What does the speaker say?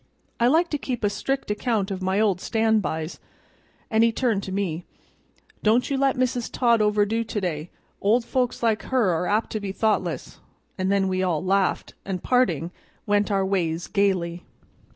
"I like to keep a strict account of my old stand bys," and he turned to me. "Don't you let Mrs. Todd overdo to day, old folks like her are apt to be thoughtless;" and then we all laughed, and, parting, went our ways gayly.